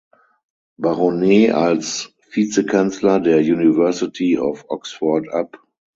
Baronet als Vizekanzler der University of Oxford ab.